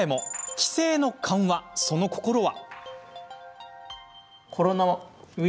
規制の緩和、その心は？